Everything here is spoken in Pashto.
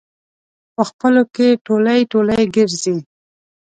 په خپلو کې ټولی ټولی ګرځي.